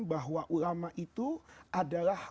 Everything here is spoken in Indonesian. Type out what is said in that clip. bahwa ulama itu adalah